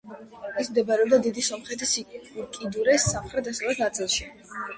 ის მდებარეობდა დიდი სომხეთის უკიდურეს სამხრეთ-დასავლეთ ნაწილში.